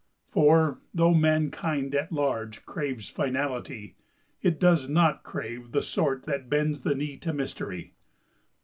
For, though mankind at large craves finality, it does not crave the sort that bends the knee to Mystery.